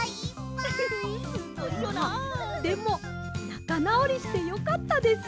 まあでもなかなおりしてよかったです。